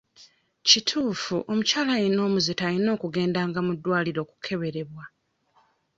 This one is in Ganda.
Kituufu omukyala yenna omuzito alina okugendanga mu ddwaliro okukeberebwa.